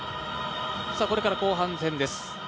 これから後半戦です。